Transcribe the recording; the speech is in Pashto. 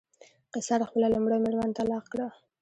قیصر خپله لومړۍ مېرمن طلاق کړه.